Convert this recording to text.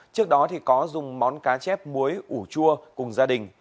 trước đó có dùng món cá chép muối ủ chua cùng gia đình